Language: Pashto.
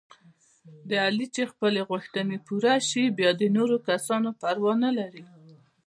د علي چې خپلې غوښتنې پوره شي، بیا د نورو کسانو پروا نه لري.